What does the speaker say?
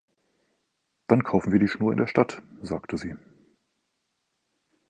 „Dann kaufen wir die Schnur in der Stadt", sagte sie.